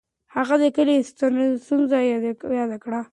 هغه د کلي ستونزه یاده کړه.